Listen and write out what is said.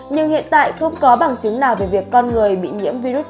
nhưng hiện tại không có bằng chứng nào về việc con người bị nhiễm virus corona